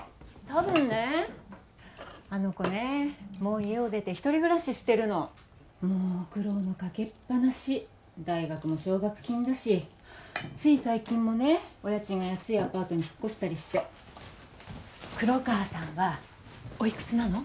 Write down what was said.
多分ねあの子ねもう家を出て１人暮らししてるのもう苦労のかけっぱなし大学も奨学金だしつい最近もねお家賃が安いアパートに引っ越したりして黒川さんはおいくつなの？